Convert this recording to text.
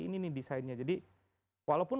ini nih desainnya jadi walaupun